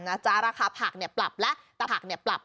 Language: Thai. นะจ๊ะราคาผักเนี่ยปรับแล้วแต่ผักเนี่ยปรับ